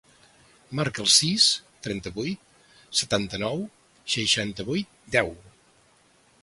Marca el sis, trenta-vuit, setanta-nou, seixanta-vuit, deu.